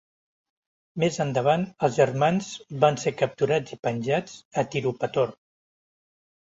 Més endavant, els germans van ser capturats i penjats a Tirupathoor.